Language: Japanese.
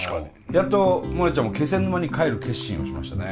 やっとモネちゃんも気仙沼に帰る決心をしましたね。